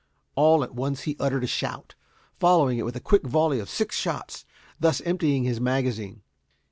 All at once he uttered a shout, following it with a quick volley of six shots, thus emptying his magazine.